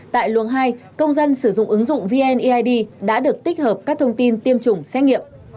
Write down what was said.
tại luồng hai công dân sử dụng ứng dụng vneid đã được tích hợp các thông tin tiêm chủng xét nghiệm